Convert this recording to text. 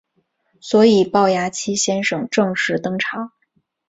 所以暴牙七先生正式登场。